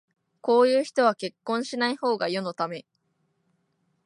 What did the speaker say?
こういう人は結婚しないほうが世のため